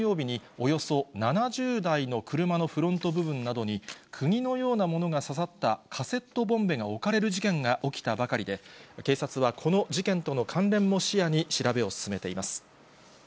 このマンションでは先週金曜日におよそ７０台の車のフロント部分などに、くぎのようなものが刺さったカセットボンベが置かれる事件が起きたばかりで、警察はこの事件との関連も視野に調べを進めています。